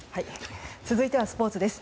続いてはスポーツです。